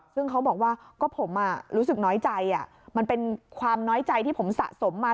ซึ่งเขาบอกว่าก็ผมรู้สึกน้อยใจมันเป็นความน้อยใจที่ผมสะสมมา